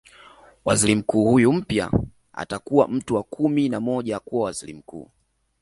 Waziri mkuu huyu mpya anakuwa mtu wa kumi na moja kuwa Waziri Mkuu